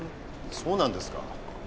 そうなんですか？